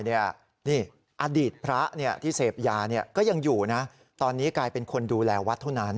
นี่อดีตพระที่เสพยาก็ยังอยู่นะตอนนี้กลายเป็นคนดูแลวัดเท่านั้น